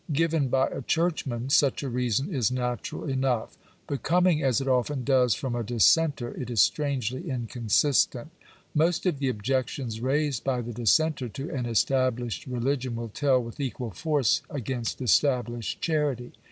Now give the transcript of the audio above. Given by a churchman such a reason is natural enough ; but coming, as it often does, from a dissenter, it is strangely incon sistent Most of the objections raised by the dissenter to an established religion will tell with equal force against established charity.